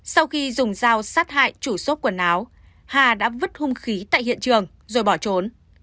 sau khi dùng dao sát hại chủ xốp quần áo hà đã vứt hung khí tại hiện trường rồi bỏ trốn